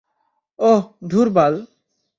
ওহ, ধুর বাল!